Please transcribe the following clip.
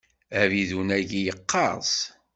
Abidun-agi yeqqers.